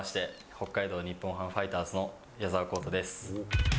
北海道日本ハムファイターズの矢澤宏太です。